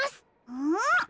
うん！